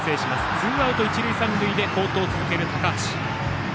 ツーアウト、一塁三塁で好投を続ける高橋。